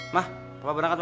ma papa berangkat ma